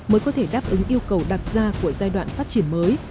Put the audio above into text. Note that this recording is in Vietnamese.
mới có thể đáp ứng yêu cầu đặt ra của giai đoạn phát triển mới